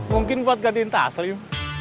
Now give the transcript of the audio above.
mungkin buat gantiin taslim